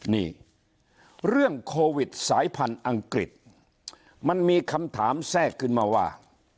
นี่เรื่องโควิดสายพันธุ์อังกฤษมันมีคำถามแทรกขึ้นมาว่า